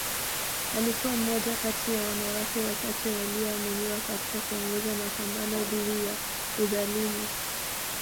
Alikuwa mmoja kati ya wanawake wachache walioaminiwa katika kuongoza mapambano dhidi ya udhalimu